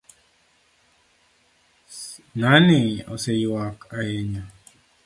ng'ani oseyuak ahinya